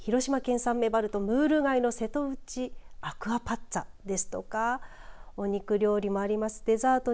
例えば魚料理広島県産メバルとムール貝の瀬戸内アクアパッツアですとかお肉料理もあります。